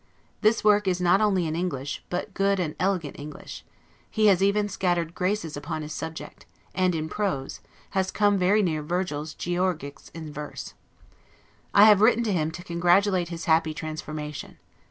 This work is not only in English, but good and elegant English; he has even scattered graces upon his subject; and in prose, has come very near Virgil's "Georgics" in verse. I have written to him, to congratulate his happy transformation.